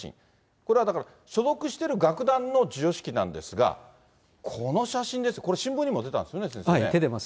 これはだから、所属している楽団の授与式なんですが、この写真です、これ、新聞出てます。